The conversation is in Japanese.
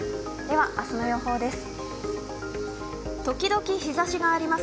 では、明日の予報です。